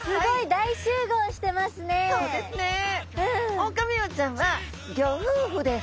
オオカミウオちゃんはギョ夫婦です。